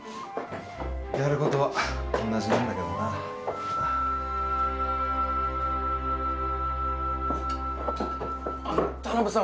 やることはおんなじなんだけどなあの田辺さん